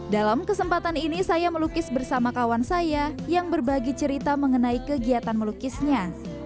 dalam kesempatan ini saya melukis bersama kawan saya yang berbagi cerita mengenai kegiatan melukisnya